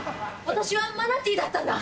私はマナティーだったんだ。